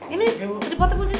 ini tripodnya mau sini